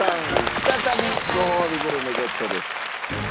再びごほうびグルメゲットです。